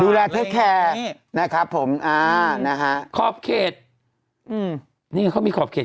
เทคแคร์นะครับผมอ่านะฮะขอบเขตอืมนี่เขามีขอบเขต